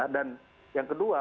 dan yang kedua